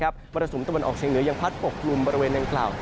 บริศุมนธ์ตะวันออกเชียงเหนือยังพัดปกปรุงบริเวณนางกล่าว